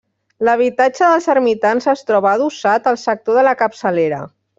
L'habitatge dels ermitans es troba adossat al sector de la capçalera.